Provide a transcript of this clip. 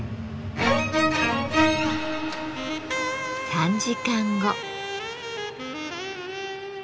３時間後。